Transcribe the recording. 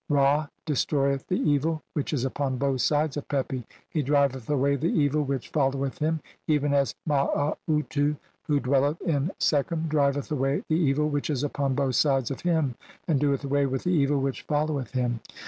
Ra) destroyeth the evil which is upon both "sides of Pepi, he driveth away the evil which fol "loweth him, even as Maautu(?) who dwelleth in Se "khem driveth away the evil which is upon both sides "of him and doeth away with the evil which follow "eth him."